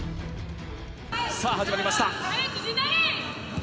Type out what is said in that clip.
さあ、始まりました。